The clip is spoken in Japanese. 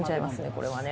これはね。